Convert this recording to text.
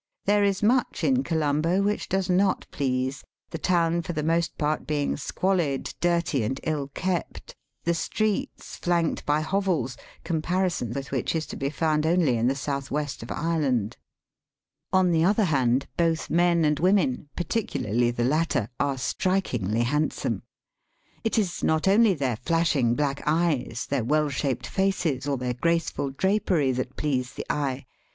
There is much in Colombo which does not please^ the town for the most part being squalid,, dirty, and ill kept, the streets flanked by hovels, comparison with which is to be found only in the south west of Ireland. On the other hand, both men and women, particularly Digitized by VjOOQIC ujiiuiL.ai'^Jiwt mwiL^. THE ISLE OF SPICY BKEEZES. 149 the latter, are strikingly handsome. It is not only their flashing black eyes, their well shaped faces, or their graceful drapery that please the eye.